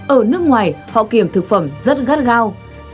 ở nước ngoài họ kiểm thực phẩm rất gắt gao